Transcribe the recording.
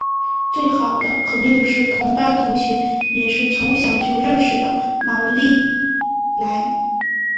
最要好的朋友是同班同学也是从小就认识的毛利兰。